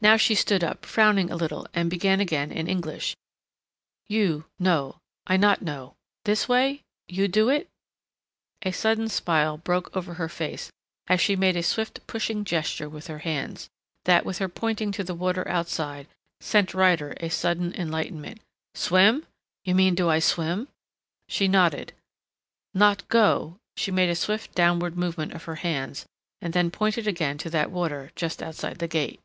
Now she stood up, frowning a little and began again in English, "You no, I not know This way? You do it?" A sudden smile broke over her face as she made a swift pushing gesture with her hands, that, with her pointing to the water outside, sent Ryder a sudden enlightenment. "Swim? You mean do I swim?" She nodded. "Not go " She made a swift downward movement of her hands and then pointed again to that water just outside the gate.